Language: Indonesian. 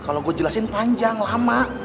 kalau gue jelasin panjang lama